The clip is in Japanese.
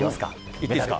言っていいですか。